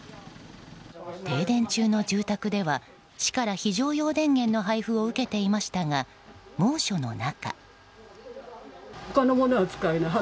停電中の住宅では市から非常用電源の配布を受けていましたが猛暑の中。